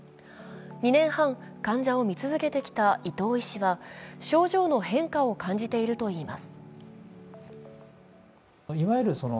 ２年半、患者を診続けてきた伊藤医師は症状の変化を感じているといいます。